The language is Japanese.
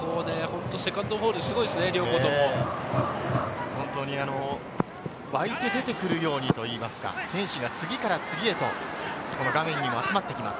セカンドボール、広いですね、両校とも。湧いて出てくるようにといいますか、選手が次から次へと画面にも集まってきます。